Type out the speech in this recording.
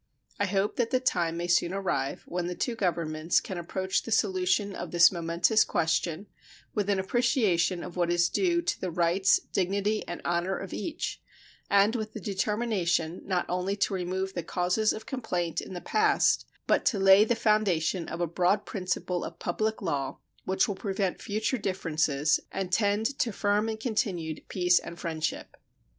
I hope that the time may soon arrive when the two Governments can approach the solution of this momentous question with an appreciation of what is due to the rights, dignity, and honor of each, and with the determination not only to remove the causes of complaint in the past, but to lay the foundation of a broad principle of public law which will prevent future differences and tend to firm and continued peace and friendship.